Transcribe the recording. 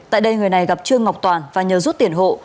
tại đây người này gặp trương ngọc toàn và nhờ rút tiền hộ